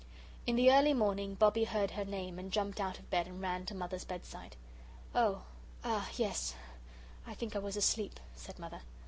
In the early morning Bobbie heard her name and jumped out of bed and ran to Mother's bedside. "Oh ah, yes I think I was asleep," said Mother.